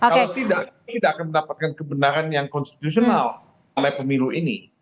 kalau tidak kita akan mendapatkan kebenaran yang konstitusional oleh pemilu ini